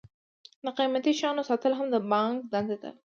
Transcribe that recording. د قیمتي شیانو ساتل هم د بانک دنده ده.